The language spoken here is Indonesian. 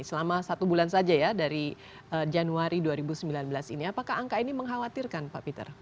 selama satu bulan saja ya dari januari dua ribu sembilan belas ini apakah angka ini mengkhawatirkan pak peter